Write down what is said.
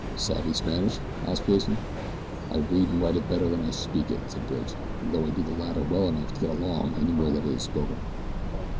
"Savvy Spanish?" asked Grayson. "I read and write it better than I speak it," said Bridge, "though I do the latter well enough to get along anywhere that it is spoken."